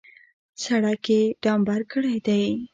سړک یې ډامبر کړی دی.